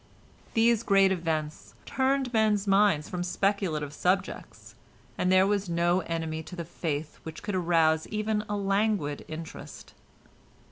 These great events turned men's minds from speculative subjects, and there was no enemy to the faith which could arouse even a languid interest.